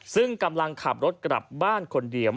ซึ่งกำลังขับรถกลับบ้านคนเดียว